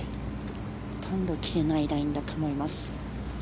ほとんど切れないラインだと思います。